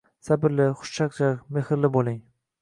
Sabrli, xushchaqchaq, mehrli bo‘ling.